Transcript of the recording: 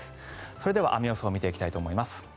それでは雨予想を見ていきたいと思います。